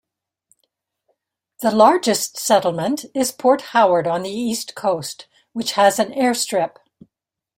The largest settlement is Port Howard on the east coast, which has an airstrip.